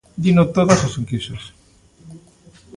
Dino todas as enquisas.